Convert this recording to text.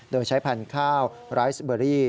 โดยใช้พันธุ์ข้าวไรสเบอรี่